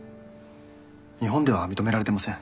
日本では認められてません。